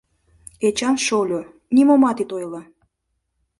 — Эчан шольо, нимомат ит ойло.